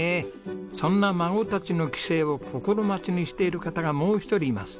そんな孫たちの帰省を心待ちにしている方がもう一人います。